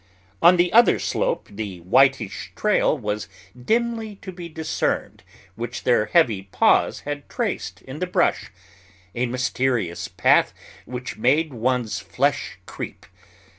On the other slope the whitish trail was dimly to be discerned which their heavy paws had traced in the brush a mysterious path which made one's flesh creep.